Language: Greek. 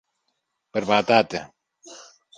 Περπατάτε!